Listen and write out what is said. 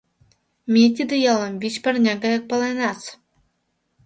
Ме тиде ялым вич парня гаяк паленас.